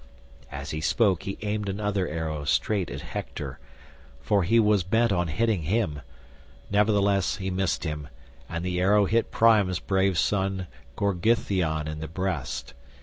As he spoke he aimed another arrow straight at Hector, for he was bent on hitting him; nevertheless he missed him, and the arrow hit Priam's brave son Gorgythion in the breast.